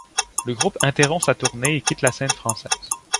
Le groupe interrompt sa tournée et quitte la scène française.